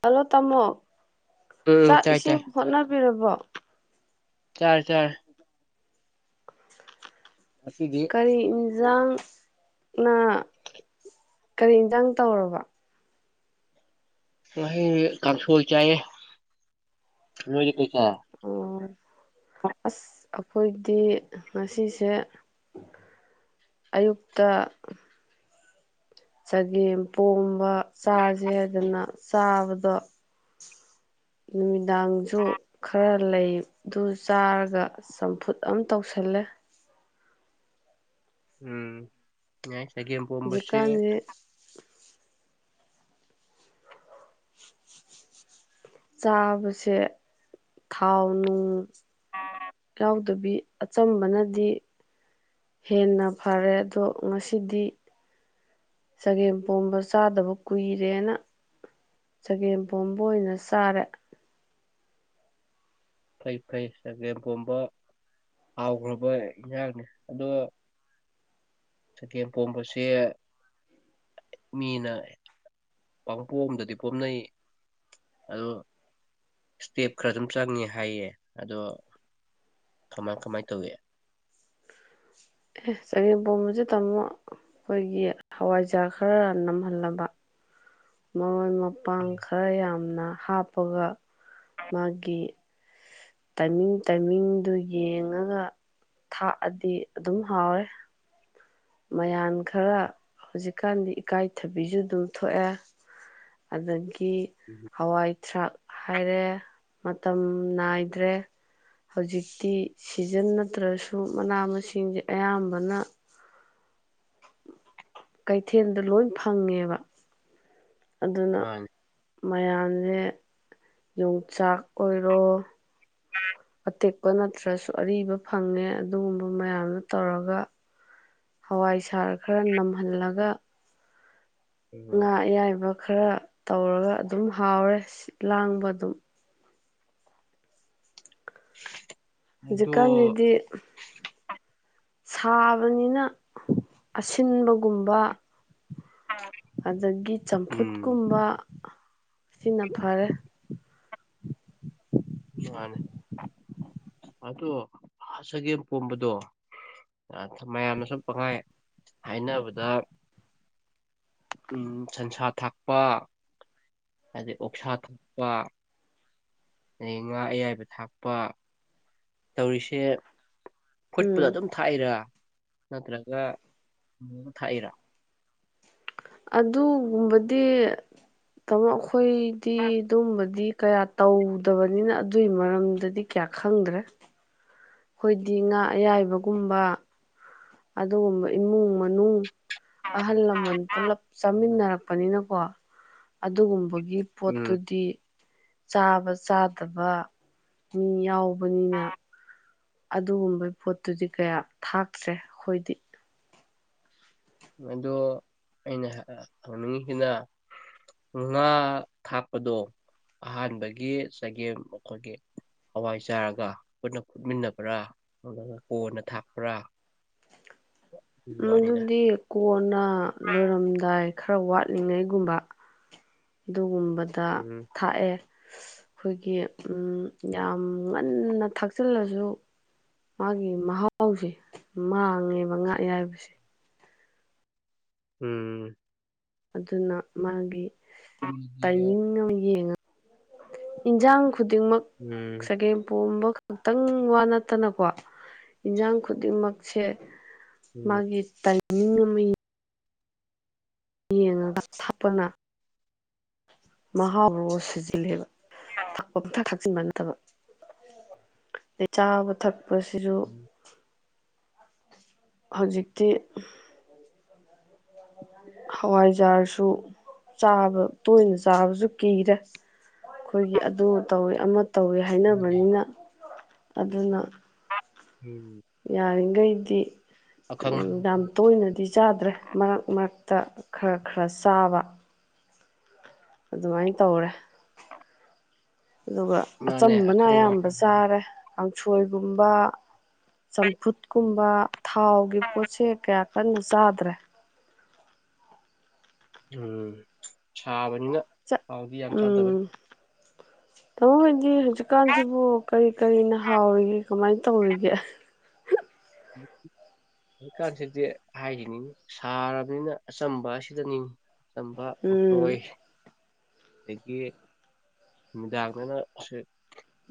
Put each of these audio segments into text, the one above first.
ꯇꯜꯂꯣ ꯇꯥꯃꯣ ꯎꯝ ꯆꯥꯛ ꯆꯥꯏ ꯏꯁꯤꯡ ꯆꯥꯏ ꯍꯣꯠꯅꯕꯤꯔꯕꯣ ꯆꯔꯦ ꯆꯔꯦ ꯉꯁꯤꯗꯤ [inaudible] ꯀꯔꯤ ꯏꯟꯁꯥꯡ ꯅ ꯀꯔꯤ ꯏꯟꯖꯡ ꯇꯧꯔꯕ ꯉꯁꯤꯗꯤ ꯀꯥꯡꯁꯣꯏ ꯆꯥꯏꯌꯦ ꯅꯣꯏꯗꯤ ꯀꯔꯤ ꯇꯧꯔꯕ ꯑꯣ ꯑꯁ ꯑꯩꯈꯣꯏꯗꯤ ꯉꯁꯤꯁꯦ ꯑꯌꯨꯛꯇ ꯆꯒꯦꯝ ꯄꯣꯝꯕ ꯆꯥꯁꯦꯗꯅ ꯆꯥꯕꯗꯣ ꯅꯨꯃꯤꯠ ꯅꯨꯡꯗꯥꯡꯁꯨ ꯈꯔ ꯂꯩꯗꯨ ꯆꯥꯔꯒ ꯆꯝꯐꯨꯠ ꯑꯃ ꯇꯧꯁꯜꯂꯦ ꯎꯝ ꯌꯥꯏ ꯑꯦꯒꯦꯝ ꯄꯣꯝꯕꯁꯦ ꯍꯧꯖꯤꯛꯀꯥꯟꯁꯦ ꯆꯥꯕꯁꯦ ꯊꯥꯎꯅꯨꯡ ꯌꯥꯎꯗꯕꯤ ꯑꯆꯝꯕꯅꯗꯤ ꯍꯦꯟꯅ ꯐꯔꯦ ꯑꯗꯣ ꯉꯁꯤꯗꯤ ꯆꯒꯦꯝ ꯄꯣꯝꯕ ꯆꯥꯗꯕ ꯀꯨꯏꯔꯦꯅ ꯆꯒꯦꯝ ꯄꯣꯝꯕ ꯑꯣꯏꯅ ꯆꯥꯔꯦ ꯐꯩ ꯐꯩ ꯆꯒꯦꯝ ꯄꯣꯝꯕ ꯍꯥꯎꯈ꯭ꯔꯕ ꯏꯟꯖꯥꯡꯅꯤ ꯑꯗꯣ ꯆꯒꯦꯝ ꯄꯣꯝꯕꯁꯦ ꯃꯤꯅ ꯄꯡꯄꯣꯝꯗꯗꯤ ꯄꯣꯝꯅꯩ ꯑꯗꯣ ꯏꯁꯇꯦꯞ ꯈꯔ ꯑꯗꯨꯝ ꯆꯪꯉꯦ ꯍꯥꯏꯌꯦ ꯑꯗꯣ ꯀꯃꯥꯏ ꯀꯃꯥꯏ ꯇꯧꯏ ꯑꯦ ꯆꯒꯦꯝ ꯄꯣꯝꯕꯁꯦ ꯇꯥꯃꯣ ꯑꯩꯈꯣꯏꯒꯤ ꯍꯋꯥꯏꯖꯔꯥꯛ ꯈꯔ ꯅꯝꯍꯜꯂꯕ ꯃꯔꯣꯏ ꯃꯄꯥꯡ ꯈꯔ ꯌꯥꯝꯅ ꯍꯥꯞꯄꯒ ꯃꯥꯒꯤ ꯇꯥꯏꯃꯤꯡ ꯇꯥꯏꯃꯤꯡꯗꯨ ꯌꯦꯡꯉꯒ ꯊꯥꯛꯑꯗꯤ ꯑꯗꯨꯝ ꯍꯥꯎꯋꯦ ꯃꯌꯥꯝ ꯈꯔ ꯍꯧꯖꯤꯛꯀꯥꯟꯗꯤ ꯏꯀꯥꯏꯊꯕꯤꯁꯨ ꯑꯗꯨꯝ ꯊꯣꯛꯑꯦ ꯑꯗꯒꯤ ꯒꯤ ꯍꯋꯥꯏ ꯁꯥꯛ ꯍꯥꯏꯔꯦ ꯃꯇꯝ ꯅꯥꯏꯗ꯭ꯔꯦ ꯍꯧꯖꯤꯛꯇꯤ ꯁꯤꯖꯟ ꯅꯠꯇ꯭ꯔꯁꯨ ꯃꯅꯥ ꯃꯁꯤꯡꯁꯦ ꯑꯌꯥꯝꯕꯅ ꯀꯩꯊꯦꯜꯗ ꯂꯣꯏ ꯐꯪꯉꯦꯕ ꯑꯗꯨꯅ ꯃꯥꯅꯦ ꯃꯌꯥꯝꯁꯦ ꯌꯣꯡꯆꯥꯛ ꯑꯣꯏꯔꯣ [inaudible] ꯑꯇꯦꯛꯄ ꯅꯠꯇ꯭ꯔꯁꯨ ꯑꯔꯤꯕ ꯐꯪꯉꯦ ꯑꯗꯨꯒꯨꯝꯕ ꯃꯌꯥꯝꯗꯨ ꯇꯧꯔꯒ ꯍꯋꯥꯏꯁꯔ ꯈꯔ ꯅꯝꯍꯜꯂꯒ ꯎꯝ ꯉꯥ ꯑꯌꯥꯏꯕ ꯈꯔ ꯇꯧꯔꯒ ꯑꯗꯨꯝ ꯍꯥꯎꯔꯦ ꯂꯥꯡꯕ ꯑꯗꯨꯝ ꯑꯗꯣ ꯍꯨꯖꯤꯛꯀꯥꯟꯁꯤꯗꯤ ꯁꯥꯕꯅꯤꯅ ꯑꯁꯤꯟꯕꯒꯨꯝꯕ ꯑꯗꯒꯤ ꯎꯝ ꯆꯝꯐꯨꯠꯀꯨꯝꯕ ꯁꯤꯅ ꯐꯔꯦ ꯃꯥꯅꯤ ꯑꯗꯣ ꯆꯒꯦꯝ ꯄꯣꯝꯕꯗꯣ ꯃꯌꯥꯝꯅ ꯁꯨꯝ ꯄꯪꯉꯥꯏ ꯍꯥꯏꯅꯕꯗ ꯎ ꯁꯟꯁꯥ ꯊꯥꯛꯄ ꯑꯗꯩ ꯑꯣꯛꯁꯥ ꯊꯥꯛꯄ ꯑꯗꯒꯤ ꯉꯥ ꯑꯌꯥꯏꯕ ꯊꯥꯛꯄ ꯇꯧꯔꯤꯁꯦ ꯐꯨꯠꯄꯗ ꯎꯝ ꯑꯗꯨꯝ ꯊꯥꯛꯏꯔꯥ ꯅꯠꯇ꯭ꯔꯒ ꯑꯗꯨꯝ ꯊꯥꯛꯏꯔꯥ ꯑꯗꯨꯒꯨꯝꯕꯗꯤ ꯇꯥꯃꯣ ꯑꯩꯈꯣꯏꯗꯤ ꯑꯗꯨꯝꯕꯗꯤ ꯀꯌꯥ ꯇꯧꯗꯕꯅꯤꯅ ꯑꯗꯨꯒꯤ ꯃꯔꯝꯗꯗꯤ ꯀꯌꯥ ꯈꯪꯗ꯭ꯔꯦ ꯑꯩꯈꯣꯏꯗꯤ ꯉꯥ ꯑꯌꯥꯏꯕꯒꯨꯝꯕ ꯑꯗꯨꯒꯨꯝꯕ ꯏꯃꯨꯡ ꯃꯅꯨꯡ ꯑꯍꯜ ꯂꯃꯟ ꯄꯨꯂꯞ ꯆꯥꯃꯤꯟꯅꯔꯛꯄꯅꯤꯅꯀꯣ ꯑꯗꯨꯒꯨꯝꯕ ꯒꯤ ꯎꯝ ꯄꯣꯠꯇꯨꯗꯤ ꯆꯥꯕ ꯆꯥꯗꯕ ꯃꯤ ꯌꯥꯎ ꯕꯅꯤꯅ ꯑꯗꯨꯒꯨꯝꯕ ꯄꯣꯠꯇꯨꯗꯤ ꯀꯌꯥ ꯊꯥꯛꯇ꯭ꯔꯦ ꯑꯩꯈꯣꯏꯗꯤ ꯑꯗꯣ ꯑꯩꯅ ꯍꯪꯅꯤꯡꯉꯤꯁꯤꯅ ꯉꯥ ꯊꯥꯛꯄꯗꯣ ꯑꯍꯥꯟꯕꯒꯤ ꯆꯒꯦꯝ ꯑꯩꯈꯣꯏꯒꯤ ꯍꯋꯥꯏ ꯆꯥꯔꯒ ꯄꯨꯟꯅ ꯐꯨꯠꯃꯤꯟꯅꯕ꯭ꯔꯥ ꯑꯗꯨꯒ ꯀꯣꯟꯅ ꯊꯥꯛꯄ꯭ꯔꯥ ꯑꯗꯨꯒꯤ ꯋꯥꯅꯤꯗ ꯃꯗꯨꯗꯤ ꯀꯣꯟꯅ ꯂꯣꯏꯔꯝꯗꯥꯏ ꯈꯔ ꯋꯥꯠꯂꯤꯉꯩꯒꯨꯝꯕ ꯗꯨꯝ ꯑꯃꯗ ꯎꯝ ꯊꯥꯛꯑꯦ ꯑꯩꯈꯣꯏꯒꯤ ꯌꯥꯝ ꯉꯟꯅ ꯊꯥꯛꯆꯤꯜꯂꯁꯨ ꯃꯥꯒꯤ ꯃꯍꯥꯎꯁꯦ ꯃꯥꯡꯉꯦꯕ ꯉꯥ ꯑꯌꯥꯏꯕꯁꯦ ꯎꯝ ꯑꯗꯨꯅ ꯃꯥꯒꯤ ꯎꯝ ꯇꯥꯏꯃꯤꯡ ꯌꯦꯡꯉ ꯏꯟꯖꯥꯡ ꯈꯨꯗꯤꯡꯃꯛ ꯎꯝ ꯆꯒꯦꯝ ꯄꯣꯝꯕ ꯉꯥꯛꯇꯪ ꯋꯥ ꯅꯠꯇꯅꯀꯣ ꯏꯟꯖꯥꯡ ꯈꯨꯗꯤꯡꯃꯛꯁꯦ ꯎꯝ ꯃꯥꯒꯤ ꯇꯥꯏ ꯃꯤꯡ ꯑꯃ ꯌꯦꯡ ꯌꯦꯡꯉꯒ ꯊꯥꯛꯄꯅ ꯃꯍꯥꯎꯗꯣ ꯁꯤꯖꯤꯜꯂꯦꯕ ꯑꯣꯝ ꯊ ꯊ ꯆꯤꯡꯕ ꯅꯠꯇꯕ ꯑꯗꯩ ꯆꯥꯕ ꯊꯛ ꯄꯁꯤꯁꯨ ꯎꯝ ꯍꯧꯖꯤꯛꯇꯤ ꯍꯋꯥꯏꯖꯥꯔꯁꯨ ꯆꯥꯕ ꯇꯣꯏꯅ ꯆꯥꯕꯁꯨ ꯀꯤꯔꯦ ꯑꯩꯈꯣꯏꯒꯤ ꯑꯗꯨ ꯇꯧꯋꯦ ꯑꯃ ꯇꯧꯋꯦ ꯍꯥꯏꯅꯕꯅꯤꯅ ꯑꯗꯨꯅ ꯎꯝ ꯉꯥꯏꯗꯤ ꯑꯈꯪ ꯌꯥꯝ ꯇꯣꯏꯅꯗꯤ ꯆꯥꯗ꯭ꯔꯦ ꯃꯔꯛ ꯃꯔꯛ ꯇ ꯈꯔ ꯈꯔ ꯆꯥꯕ ꯑꯗꯨꯃꯥꯏꯅ ꯇꯧꯔꯦ ꯑꯗꯨꯒ ꯃꯥꯅꯦ ꯑꯆꯝꯕꯅ ꯑꯈꯪꯕ ꯑꯌꯥꯝꯕ ꯆꯥꯔꯦ ꯀꯥꯡꯁꯣꯏꯒꯨꯝꯕ ꯆꯝꯐꯨꯠꯀꯨꯝꯕ ꯊꯥꯎꯒꯤ ꯄꯣꯠꯁꯦ ꯀꯌꯥ ꯀꯟꯅ ꯆꯥꯗ꯭ꯔꯦ ꯎꯝ ꯁꯥꯕꯅꯤꯅ ꯅ ꯊꯥꯎꯗꯤ ꯌꯥꯝ ꯆꯥꯗꯕ ꯇꯧꯕꯣꯏꯗꯤ ꯍꯧꯖꯤꯛꯀꯥꯟꯁꯤꯕꯨ ꯀꯔꯤ ꯀꯔꯤꯅ ꯍꯥꯎꯔꯤꯒꯦ ꯀꯃꯥꯏ ꯇꯧꯔꯤꯒꯦ ꯍꯧꯖꯤꯛꯀꯥꯟꯁꯤꯗꯤ ꯍꯥꯏꯈꯤꯅꯤꯉ ꯁꯥꯔꯕꯅꯤꯅ ꯑꯆꯝꯕ ꯑꯁꯤꯗꯅꯤ ꯑꯆꯝꯕ ꯎꯝ ꯀꯥꯡꯁꯣꯏ ꯑꯗꯒꯤ ꯅꯨꯃꯤꯗꯥꯡ ꯈꯣꯏꯅ ꯁ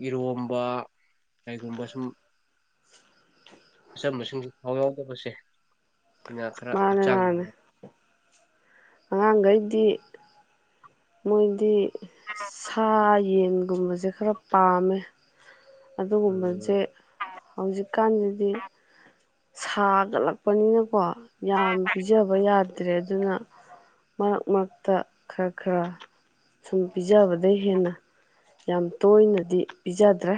ꯏꯔꯣꯝꯕ ꯀꯩꯒꯨꯝꯕ ꯁꯨꯝ ꯑꯆꯝꯕꯁꯤꯡꯁꯤ ꯊꯥꯎ ꯌꯥꯎꯗꯕꯁꯦ ꯁꯤꯅ ꯈꯔ ꯍꯛꯆꯥꯡ ꯑꯉꯥꯡꯒꯩꯗꯤ ꯃꯣꯏꯗꯤ ꯁꯥꯏ ꯌꯦꯟꯒꯨꯝꯕꯁꯦ ꯈꯔ ꯄꯥꯝꯃꯦ ꯑꯗꯨꯒꯨꯝꯕꯖꯦ ꯎꯝ ꯍꯧꯖꯤꯛꯀꯥꯟꯗꯗꯤ ꯁꯥꯒꯠꯂꯛꯄꯅꯤꯅ ꯀꯣ ꯌꯥꯝ ꯄꯤꯖꯕ ꯌꯥꯗ ꯇ꯭ꯔꯦ ꯑꯗꯨꯅ ꯃꯔꯛ ꯃꯔꯛꯇ ꯈꯔ ꯈꯔ ꯁꯨꯝ ꯄꯤꯖꯕꯗꯩ ꯍꯦꯟꯅ ꯌꯥꯝ ꯇꯣꯏꯅꯗꯤ ꯄꯤꯖꯗ꯭ꯔꯦ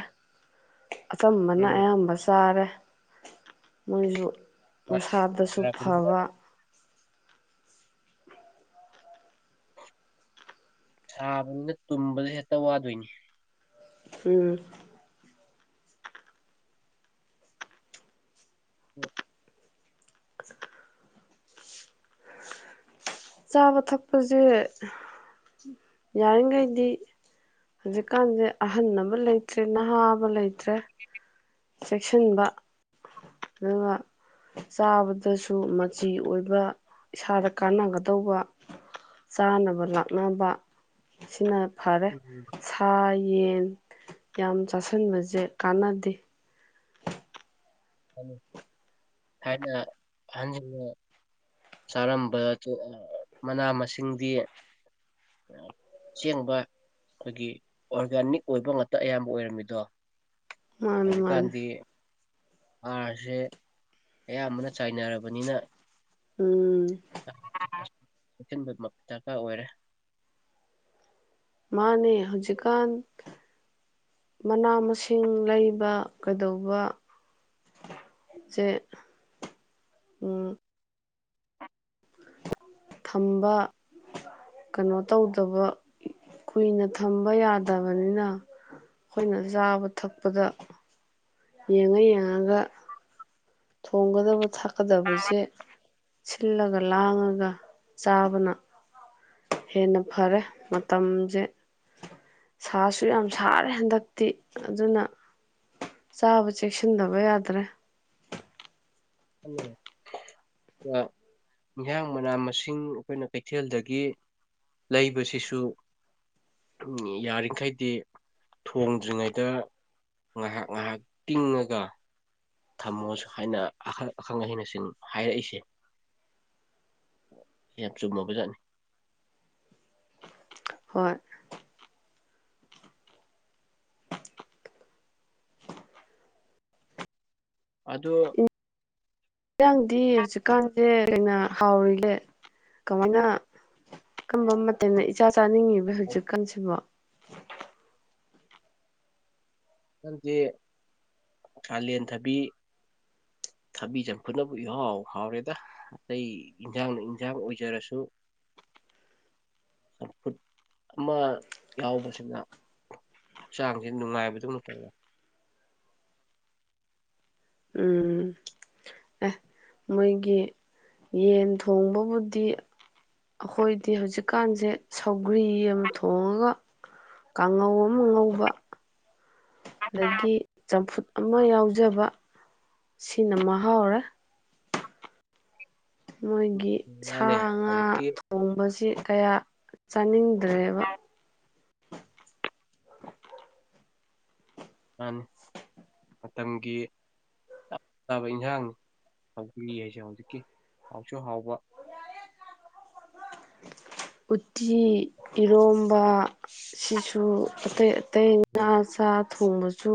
ꯑꯆꯝꯕꯅ ꯎꯝ ꯑꯌꯥꯝꯕ ꯆꯥꯔꯦ ꯃꯣꯏꯁꯨ ꯃꯁꯥꯗꯁꯨ ꯁꯥꯕꯅꯤꯅ ꯐꯕ ꯁꯥꯕꯅꯤꯅ ꯇꯨꯝꯕꯗ ꯍꯦꯛꯇ ꯋꯥꯗꯣꯏꯅꯤ ꯎꯝ ꯑꯟꯑꯣꯗꯤꯕꯜ ꯑꯟꯑꯣꯗꯤꯕꯜ ꯆꯥꯕ ꯊꯛꯄꯁꯦ ꯌꯥꯔꯤꯡꯒꯩꯗꯤ ꯍꯧꯖꯤꯛꯀꯥꯟꯁꯦ ꯑꯍꯟ ꯑꯕ ꯂꯩꯇ꯭ꯔꯦ ꯅꯍꯥ ꯑꯕ ꯂꯩ ꯇ꯭ꯔꯦ ꯆꯦꯛꯁꯤꯟꯕ ꯑꯗꯨꯒ ꯆꯥꯕꯗꯁꯨ ꯃꯆꯤ ꯑꯣꯏꯕ ꯏꯁꯥꯗ ꯀꯥꯟꯅꯒꯗꯧꯕ ꯆꯥꯅꯕ ꯂꯥꯛꯅꯕ ꯑꯁꯤꯅ ꯐꯔꯦ ꯎꯝ ꯁꯥ ꯌꯦꯟ ꯌꯥꯝ ꯆꯥꯁꯤꯟꯕꯖꯦ ꯀꯥꯟꯅꯗꯦ ꯊꯥꯏꯅ ꯊꯥꯏꯅꯅꯦ ꯆꯥꯔꯝꯕ ꯆꯤ ꯑ ꯑ ꯃꯅꯥ ꯃꯁꯤꯡꯗꯤ ꯑꯁꯦꯡꯕ ꯑꯩꯈꯣꯏꯒꯤ ꯑꯣꯔꯒꯥꯅꯤꯛ ꯑꯣꯏꯕ ꯉꯥꯛꯇ ꯑꯌꯥꯝꯕ ꯑꯣꯏꯔꯝꯃꯤꯗꯣ ꯃꯥꯅꯤ ꯃꯥꯅꯤ ꯍꯧꯖꯤꯛꯀꯥꯟꯗꯤ ꯍꯥꯥꯔꯁꯦ ꯑꯌꯥꯝꯕꯅ ꯆꯥꯏꯅꯔꯕꯅꯤꯅ ꯎꯝ ꯆꯦꯛꯁꯤꯟꯕꯃꯛ ꯗꯔꯀꯥꯔ ꯑꯣꯏꯔꯦ ꯃꯥꯟꯅꯦ ꯍꯧꯖꯤꯛꯀꯥꯟ ꯃꯅꯥ ꯃꯁꯤꯡ ꯂꯩꯕ ꯀꯩꯗꯧꯕ ꯁꯦ ꯎꯝ ꯊꯝꯕ ꯀꯩꯅꯣ ꯇꯧꯗꯕ ꯀꯨꯏꯅ ꯊꯝꯕ ꯌꯥꯗꯕꯅꯤꯅ ꯑꯩꯈꯣꯏꯅ ꯆꯥꯕ ꯊꯛꯄꯗ ꯌꯦꯡꯉ ꯌꯦꯡꯉꯒ ꯊꯣꯡꯒꯗꯕ ꯊꯛ ꯀꯗꯕꯁꯦ ꯁꯤꯜꯂꯒ ꯂꯥꯡꯉꯒ ꯆꯥꯕꯅ ꯍꯦꯟꯅ ꯐꯔꯦ ꯃꯇꯝꯖꯦ ꯁꯥꯁꯨ ꯌꯥꯝ ꯁꯥꯔꯦ ꯍꯟꯗꯛꯇꯤ ꯑꯗꯨꯅ ꯆꯥꯕ ꯆꯦꯛꯁꯤꯟꯗꯕ ꯌꯥꯗ꯭ꯔꯦ ꯍꯥ ꯏꯟꯖꯥꯡ ꯃꯅꯥ ꯃꯁꯤꯡ ꯑꯩꯈꯣꯏꯅ ꯀꯩꯊꯦꯜꯗꯒꯤ ꯂꯩꯕꯁꯤꯁꯨ ꯑꯝ ꯌꯥꯔꯤꯈꯩꯗꯤ ꯊꯣꯡꯗ꯭ꯔꯤꯉꯩꯗ ꯉꯥꯏꯍꯥꯛ ꯉꯥꯏꯍꯥꯛ ꯇꯤꯡꯉꯒ ꯊꯝꯃꯣꯁꯨ ꯍꯥꯏꯅ ꯑꯈꯪ ꯑꯈꯪ ꯑꯍꯩꯅꯁꯤꯡ ꯍꯥꯏꯔꯛꯏꯁꯦ ꯁꯤ ꯌꯥꯝ ꯆꯨꯝꯃꯕꯖꯥꯠꯅꯤ ꯍꯣꯏ ꯑꯗꯣ ꯏꯟꯖꯤꯡꯗꯤ ꯍꯧꯖꯤꯛꯀꯥꯟꯁꯦ ꯀꯩꯅ ꯍꯥꯎꯔꯤꯒꯦ ꯀꯃꯥꯏꯅ ꯀꯔꯝꯕ ꯃꯇꯝꯗ ꯏꯆꯥ ꯆꯥꯅꯤꯡꯉꯤꯕ ꯍꯧꯖꯤꯛꯀꯥꯟꯁꯤꯃ ꯅꯪꯗꯤ ꯀꯥꯂꯦꯟ ꯊꯕꯤ ꯊꯕꯤ ꯆꯝꯐꯨꯠꯅꯕꯨ ꯏꯍꯥꯎ ꯍꯥꯎꯔꯦꯗ ꯑꯇꯩ ꯏꯟꯖꯥꯡꯅ ꯏꯟꯖꯥꯡ ꯑꯣꯏꯖꯔꯁꯨ ꯆꯝꯐꯨꯠ ꯑꯃ ꯌꯥꯎꯕꯁꯤꯅ ꯍꯛꯆꯥꯡꯁꯦ ꯅꯨꯡꯉꯥꯏꯕꯗꯨꯅ ꯇꯧꯋꯦ ꯎꯝ ꯑꯦ ꯃꯣꯏꯒꯤ ꯌꯦꯟ ꯊꯣꯡꯕꯕꯨꯗꯤ ꯑꯩꯈꯣꯏꯗꯤ ꯍꯧꯖꯤꯛꯀꯥꯟꯁꯦ ꯁꯧꯒ꯭ꯔꯤ ꯑꯃ ꯊꯣꯡꯉꯒ ꯀꯥꯡꯉꯧ ꯑꯃ ꯉꯧꯕ ꯑꯗꯒꯤ ꯆꯝꯐꯨꯠ ꯑꯃ ꯌꯥꯎꯖꯕ ꯁꯤꯅ ꯃꯍꯥꯎꯔꯦ ꯃꯣꯏꯒꯤ ꯁꯥ ꯃꯥꯅꯦ ꯉꯥ ꯍꯧꯖꯤꯛꯀꯤ ꯊꯣꯡꯕꯁꯤ ꯀꯌꯥ ꯆꯥꯅꯤꯡ ꯗ꯭ꯔꯦꯕ ꯃꯥꯅꯤ ꯃꯇꯝꯒꯤ ꯆꯞ ꯆꯥꯕ ꯏꯟꯁꯥꯡꯅꯤ ꯁꯧꯒ꯭ꯔꯤ ꯍꯥꯏꯁꯦ ꯍꯧꯖꯤꯛꯀꯤ ꯍꯥꯎꯁꯨ ꯍꯥꯎꯕ ꯎꯇꯤ ꯏꯔꯣꯝꯕ ꯁꯤꯁꯨ ꯑꯇꯩ ꯇꯩ ꯉꯥ ꯆꯥꯛ ꯊꯣꯡꯕꯁꯨ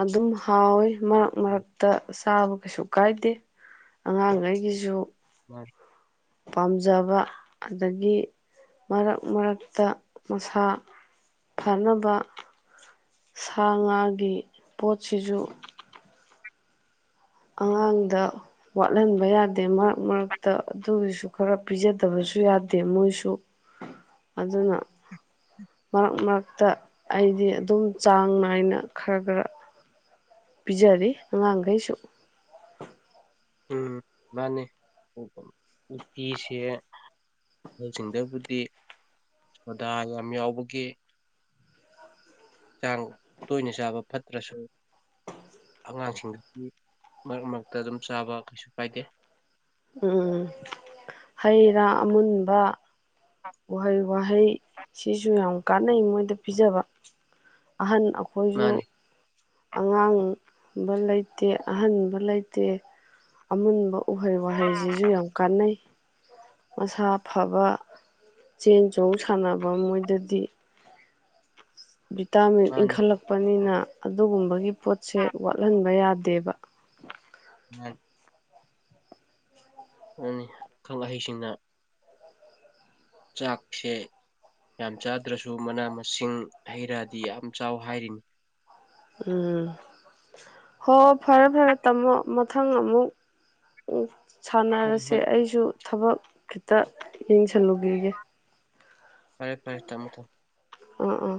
ꯑꯗꯨꯝ ꯍꯥꯎꯋꯦ ꯃꯔꯛ ꯃꯔꯛꯇ ꯇꯥꯕ ꯀꯩꯁꯨ ꯀꯥꯏꯗꯦ ꯑꯉꯥꯡꯒꯩꯒꯤꯁꯨ [unintelligible] ꯄꯥꯝꯖꯕ ꯑꯗꯒꯤ ꯃꯔꯛ ꯃꯔꯛꯇ ꯃꯁꯥ ꯐꯅꯕ ꯁꯥ ꯉꯥꯒꯤ ꯄꯣꯠꯁꯤꯖꯨ ꯑꯉꯥꯡꯗ ꯋꯥꯠꯍꯟꯕ ꯌꯥꯗꯦ ꯃꯔꯛ ꯃꯔꯛꯇ ꯑꯗꯨꯒꯤꯁꯨ ꯈꯔ ꯄꯤꯖꯗꯕꯁꯨ ꯌꯥꯗꯦ ꯃꯣꯏꯁꯨ ꯑꯗꯨꯅ ꯃꯔꯛ ꯃꯔꯛꯇ ꯑꯩꯗꯤ ꯑꯗꯨꯝ ꯆꯥꯡ ꯅꯥꯏꯅ ꯈꯔ ꯈꯔ ꯄꯤꯖꯔꯤ ꯑꯉꯥꯡꯒꯩꯁꯨ ꯎꯝ ꯃꯥꯅꯤ ꯎꯇꯤꯁꯦ ꯑꯍꯟꯁꯤꯡꯗꯕꯨꯗꯤ ꯁꯣꯗꯥ ꯌꯥꯝ ꯌꯥꯎꯕꯒꯤ ꯍꯛꯆꯥꯡ ꯇꯣꯏꯅ ꯆꯥꯕ ꯐꯠꯇ꯭ꯔꯁꯨ ꯑꯉꯥꯡꯁꯤꯡꯗꯗꯤ ꯃꯔꯛ ꯃꯔꯛꯇ ꯑꯗꯨꯝ ꯆꯥꯕ ꯀꯩꯁꯨ ꯀꯥꯏꯗꯦ ꯎꯝ ꯍꯩ ꯔꯥ ꯑꯃꯨꯟꯕ ꯎꯍꯩ ꯋꯥꯍꯩ ꯁꯤꯁꯨ ꯌꯥꯝ ꯀꯥꯟꯅꯩ ꯃꯣꯏꯗ ꯄꯤꯖꯕ ꯑꯍꯟ ꯑꯈꯣꯏꯁꯨ ꯃꯥꯅꯤ ꯑꯉꯥꯡꯕ ꯂꯩꯇꯦ ꯑꯍꯟꯕ ꯂꯩꯇꯦ ꯑꯃꯨꯟꯕ ꯎꯍꯩ ꯋꯥꯍꯩꯁꯤꯁꯨ ꯌꯥꯝ ꯀꯥꯟꯅꯩ ꯃꯁꯥ ꯐꯕ ꯆꯦꯟ ꯆꯣꯡ ꯁꯥꯟꯅꯕ ꯃꯣꯏꯗꯗꯤ ꯚꯤꯇꯥꯃꯤꯟ ꯃꯥꯅꯤ ꯏꯟꯈꯠꯂꯛꯄꯅꯤꯅ ꯑꯗꯨꯒꯨꯝꯕꯒꯤ ꯄꯣꯠꯁꯦ ꯋꯥꯠꯍꯟꯕ ꯌꯥꯗꯦꯕ ꯎꯝ ꯃꯥꯅꯤ ꯑꯈꯪ ꯑꯍꯩꯁꯤꯡꯅ ꯆꯥꯛꯁꯦ ꯌꯥꯝ ꯆꯥꯗ꯭ꯔꯁꯨ ꯃꯅꯥ ꯃꯁꯤꯡ ꯍꯩ ꯔꯥꯗꯤ ꯌꯥꯝ ꯆꯥꯎ ꯍꯥꯏꯔꯤꯅꯤ ꯎꯝ ꯍꯣ ꯐꯔꯦ ꯐꯔꯦ ꯇꯥꯝꯃꯣ ꯃꯊꯪ ꯑꯃꯨꯛ ꯎ ꯍꯣꯏ ꯁꯥꯟꯅꯔꯁꯦ ꯍꯣꯏ ꯑꯩꯁꯨ ꯊꯕꯛ ꯈꯤꯇ ꯌꯦꯡꯁꯜꯂꯨꯈꯤꯒꯦ ꯐꯔꯦ ꯐꯔꯦ ꯊꯃꯣ ꯊꯝ ꯑ ꯑꯥ